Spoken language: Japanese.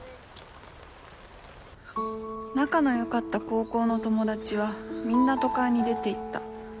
仲の良かった高校の友達はみんな都会に出ていった